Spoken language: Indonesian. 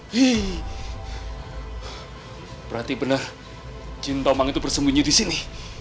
hi hi hai berarti bener cinta mengerti bersembunyi di sini